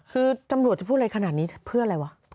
คือตำรวจจะพูดอะไรขนาดนี้เพื่ออะไรวะ